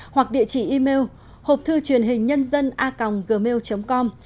hoặc địa chỉ email hộpthư truyền hình nhân dân a gmail com